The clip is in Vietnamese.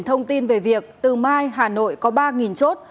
thông tin về việc từ mai hà nội có ba chốt